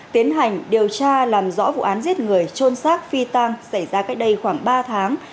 tiến hành điều tra làm rõ vụ án giết người trôn xác phi tang xảy ra cách đây khoảng ba tháng